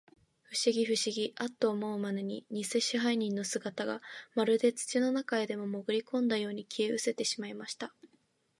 ふしぎ、ふしぎ、アッと思うまに、にせ支配人の姿が、まるで土の中へでも、もぐりこんだように、消えうせてしまいました。